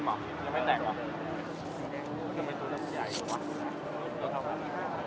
มันก็แต่งมาหน่อยแล้วถ้าเดิมมาสุดใหญ่แล้วอีกหนึ่งถ้าถามน้องว่ากี่ซีซีวะ